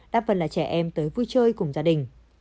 đa phần là trẻ em tới vui chơi cùng gia đình